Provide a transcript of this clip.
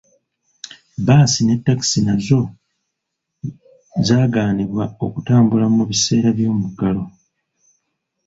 Bbaasi ne ttakisi nazo zaagaanibwa okutambula mu biseera by'omuggalo.